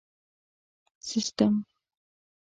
سیسټم